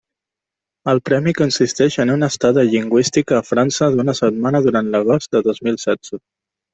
El premi consisteix en una estada lingüística a França d'una setmana durant l'agost de dos mil setze.